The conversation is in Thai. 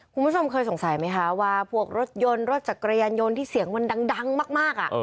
คุณผู้ชมเคยสงสัยไหมคะว่าพวกรถยนต์รถจักรยานยนต์ที่เสียงมันดังมาก